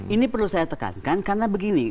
ini perlu saya tekankan karena begini